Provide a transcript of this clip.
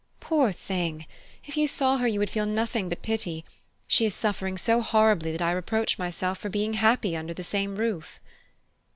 "Poor thing if you saw her you would feel nothing but pity. She is suffering so horribly that I reproach myself for being happy under the same roof."